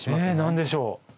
何でしょう？